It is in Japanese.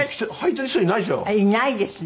いないですね。